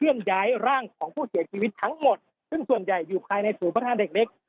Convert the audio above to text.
ย้ายร่างของผู้เสียชีวิตทั้งหมดซึ่งส่วนใหญ่อยู่ภายในศูนย์พัฒนาเด็กเล็ก